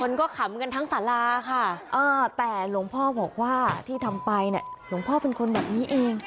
คนก็ขำกันทั้งสาราค่ะแต่หลวงพ่อบอกว่าที่ทำไปเนี่ยหลวงพ่อเป็นคนแบบนี้เอง